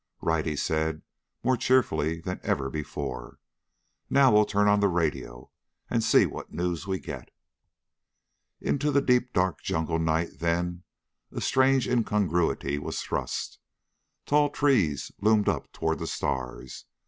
"Right!" he said, more cheerfully than ever before. "Now we'll turn on the radio and see what news we get." Into the deep dark jungle night, then, a strange incongruity was thrust. Tall trees loomed up toward the stars.